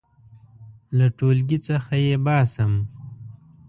• له ټولګي څخه یې باسم.